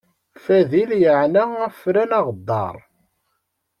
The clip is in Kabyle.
Fadil yeɛna afran aɣeddaṛ.